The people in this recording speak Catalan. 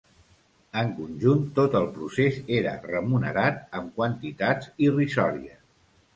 En conjunt, tot el procés era remunerat amb quantitats irrisòries.